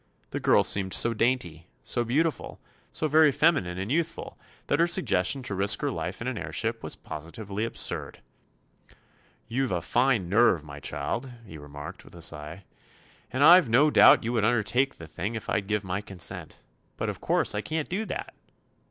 The girl seemed so dainty, so beautiful, so very feminine and youthful, that her suggestion to risk her life in an airship was positively absurd. "You've a fine nerve, my child," he remarked, with a sigh, "and I've no doubt you would undertake the thing if I'd give my consent. But of course I can't do that."